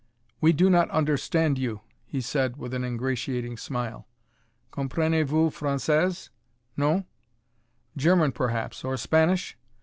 "We do not understand you," he said with an ingratiating smile. "Comprenez vous Francaise?... Non?"... German, perhaps, or Spanish?...